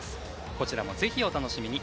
こちらもぜひお楽しみに。